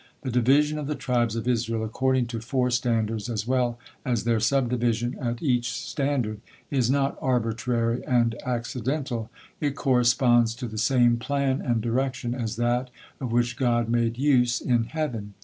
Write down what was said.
The division of the tribes of Israel according to four standards, as well as their subdivision at each standard, is not arbitrary and accidental, it corresponds to the same plan and direction as that of which God made use in heaven.